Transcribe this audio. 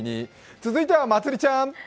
続いては、まつりちゃーん。